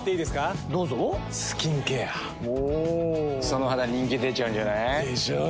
その肌人気出ちゃうんじゃない？でしょう。